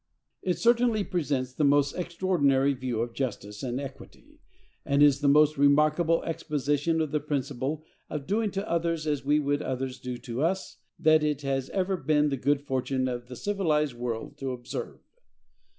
It certainly presents the most extraordinary view of justice and equity, and is the most remarkable exposition of the principle of doing to others as we would others should do to us that it has ever been the good fortune of the civilized world to observe.